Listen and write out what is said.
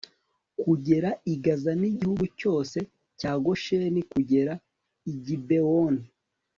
kugera i gaza n'igihugu cyose cya gosheni kugera i gibewoni